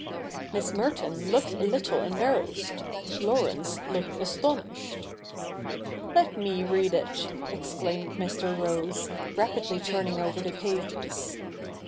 Miss Merton looked a little embarrassed ; Laurence looked astonished. ' Let me read it,' exclaimed Mr. Rose, rapidly turning over the pages.